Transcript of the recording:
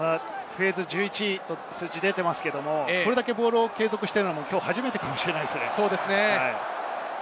フェーズ１１と出ていますが、これだけボールを継続しているのは、きょう初めてかもしれません。